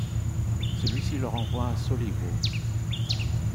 Celui-ci leur envoie un soliveau.